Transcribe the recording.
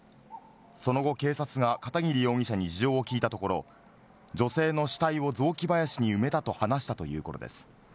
その後、警察が片桐容疑者に事情を聴いたところ、女性の死体を雑木林に埋めたと話したということです。